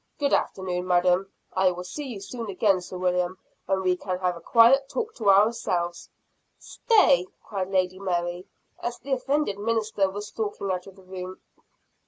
Good afternoon, madam. I will see you soon again, Sir William, when we can have a quiet talk to ourselves." "Stay!" cried Lady Mary, as the offended minister was stalking out of the room.